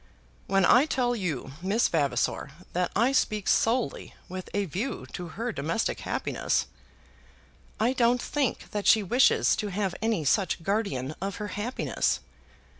"When I tell you, Miss Vavasor, that I speak solely with a view to her domestic happiness!" "I don't think that she wishes to have any such guardian of her happiness."